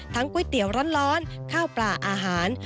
ก๋วยเตี๋ยวร้อนข้าวปลาอาหาร